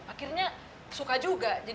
akhirnya suka juga